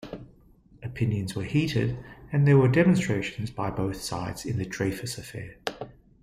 Opinions were heated and there were demonstrations by both sides in the Dreyfus affair.